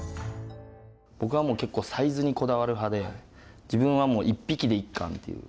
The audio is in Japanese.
僕はもう結構サイズにこだわる派で自分はもう一匹で一貫っていう。